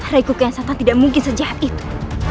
raden kian santak tidak mungkin sejahat itu